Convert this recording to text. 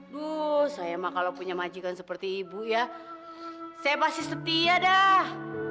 duh saya mah kalau punya majikan seperti ibu ya saya pasti setia dah